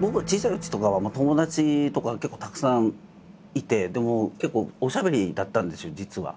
僕は小さいうちとかは友達とか結構たくさんいて結構おしゃべりだったんですよ実は。